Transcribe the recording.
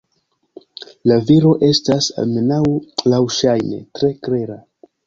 La viro estas, almenaŭ laŭŝajne, tre klera.